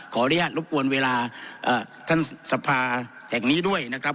ขออนุญาตรบกวนเวลาท่านสภาแห่งนี้ด้วยนะครับ